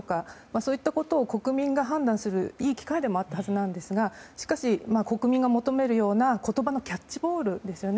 そういったことを国民が判断するいい機会でもあったはずですがしかし、国民が求めるような言葉のキャッチボールですよね。